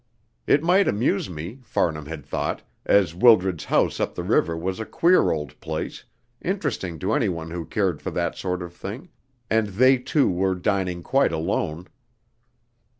It might amuse me, Farnham had thought, as Wildred's house up the river was a queer old place, interesting to anyone who cared for that sort of thing, and they two were dining quite alone.